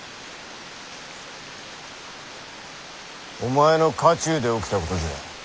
お前の家中で起きたことじゃ。